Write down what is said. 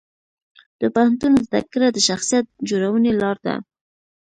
د پوهنتون زده کړه د شخصیت جوړونې لار ده.